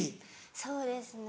そうですね。